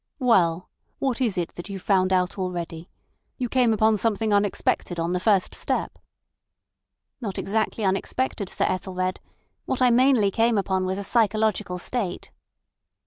"Well! What is it that you've found out already? You came upon something unexpected on the first step." "Not exactly unexpected, Sir Ethelred. What I mainly came upon was a psychological state."